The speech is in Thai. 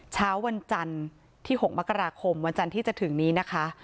เช้าวันจันทร์ที่๖มกราคมวันจันทร์ที่จะถึงนี้นะคะ